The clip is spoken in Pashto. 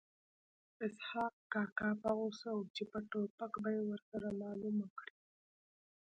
اسحق کاکا په غوسه و چې په ټوپک به یې ورسره معلومه کړي